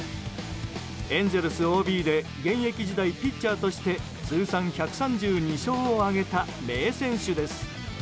エンゼルスＯＢで現役時代、ピッチャーとして通算１３２勝を挙げた名選手です。